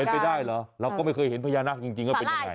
เป็นไปได้เหรอเราก็ไม่เคยเห็นพญานาคจริงว่าเป็นยังไง